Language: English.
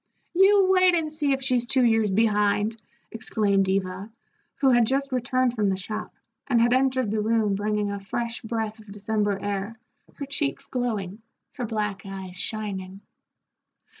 "You wait and see if she's two years behind!" exclaimed Eva, who had just returned from the shop, and had entered the room bringing a fresh breath of December air, her cheeks glowing, her black eyes shining.